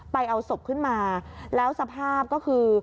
เอาศพขึ้นมาแล้วสภาพก็คือ